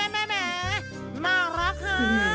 แม่มากรักฮะ